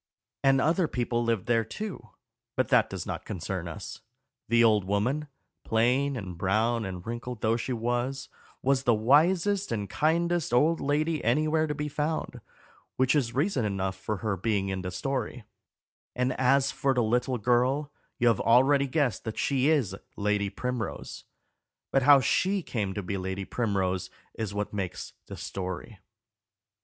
And other people lived there too; but that does not concern us. The old woman, plain and brown and wrinkled though she was, was the wisest and kindest old lady anywhere to be found, which is reason enough for her being in the story; and as for the little girl, you have already guessed that she is Lady Primrose; but how she came to be Lady Primrose is what makes the story.